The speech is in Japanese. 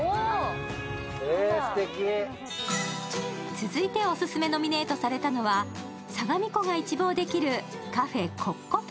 続いてオススメノミネートされたのは相模湖が一望できるカフェＣＯＣＣＯ＋。